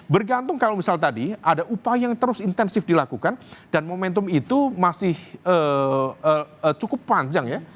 bergantung kalau misal tadi ada upaya yang terus intensif dilakukan dan momentum itu masih cukup panjang ya